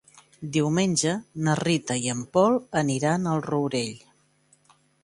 Diumenge na Rita i en Pol aniran al Rourell.